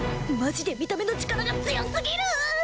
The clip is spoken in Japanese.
マジで見た目の力が強すぎる！